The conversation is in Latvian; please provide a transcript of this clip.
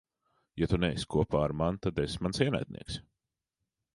Ja tu neesi kopā ar mani, tad esi mans ienaidnieks.